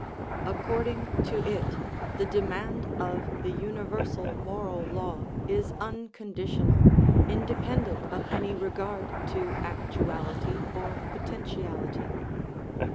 According to it, the demand of the uni versal moral law is unconditional, independent of any regard to actuality or potentiality.